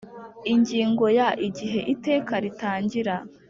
Ingingo ya Igihe Iteka ritangira